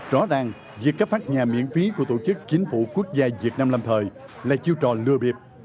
rõ ràng việc cấp phát nhà miễn phí của tổ chức chính phủ quốc gia việt nam lâm thời là chiêu trò lừa biệt